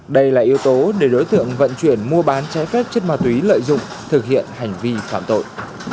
đây là yếu tố để đối tượng vận chuyển mua bán trái phép chất ma túy lợi dụng thực hiện hành vi phạm tội